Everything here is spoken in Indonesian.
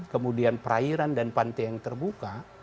kemudian perairan dan pantai yang terbuka